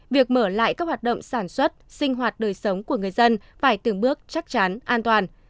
việc mở lại các hoạt động sản xuất sinh hoạt đời sống của người dân phải từng bước chắc chắn an toàn